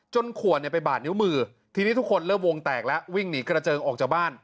ขวดเนี่ยไปบาดนิ้วมือทีนี้ทุกคนเริ่มวงแตกแล้ววิ่งหนีกระเจิงออกจากบ้าน